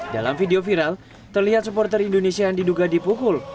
dalam video viral terlihat supporter indonesia yang diduga dipukul